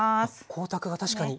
光沢が確かに。